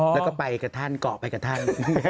แล้วก็ไปกับท่านเกาะไปกับท่าน